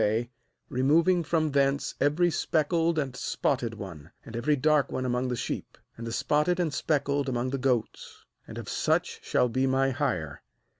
36 GENESIS 31 12 from thence every speckled and spot ted one, and every dark one among the sheep, and the spotted and speckled among the goats; and of such shall be my hire.